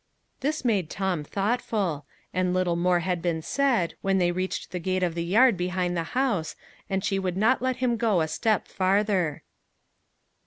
This made Tom thoughtful; and little more had been said, when they reached the gate of the yard behind the house, and she would not let him go a step farther.